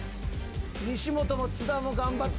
西本も津田も頑張って。